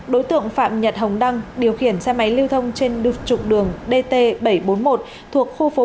đối tượng phạm nhật hồng đăng điều khiển xe máy lưu thông trên trục đường dt bảy trăm bốn mươi một thuộc khu phố